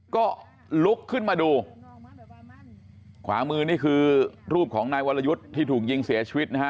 ก็ลุกขึ้นมาดูขวามือนี่คือรูปของนายวรยุทธ์ที่ถูกยิงเสียชีวิตนะฮะ